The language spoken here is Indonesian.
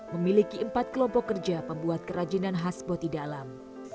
memiliki empat kelompok kerja pembuat kerajinan khas boti dalam